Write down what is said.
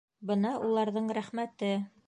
Бына уларҙың, рәхмәте.